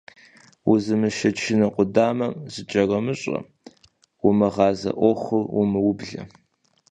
Узымышэчыну къудамэм зыкӀэромыщӀэ, умыгъазэ Ӏуэхур умыублэ.